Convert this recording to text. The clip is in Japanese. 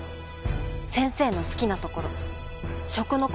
先生の好きなところ。